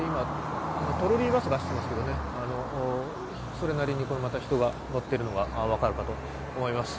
トロリーバスが走っていますけどそれなりに人が乗っていることは分かると思います。